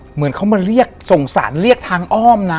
เหมือนเขามาเรียกสงสารเรียกทางอ้อมนะ